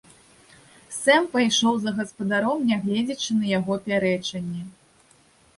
Сэм пайшоў за гаспадаром, нягледзячы на яго пярэчанні.